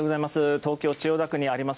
東京・千代田区にあります